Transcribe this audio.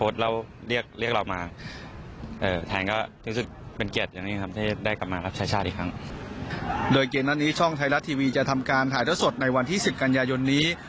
โดยเกมนั้นนี้ช่องไทยรัฐทีวีจะทำการถ่ายเท่าสดในวันที่๑๐กันยายนนี้